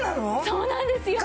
そうなんですよね。